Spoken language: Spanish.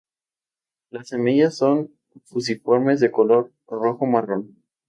Las semillas son fusiformes de color rojo-marrón.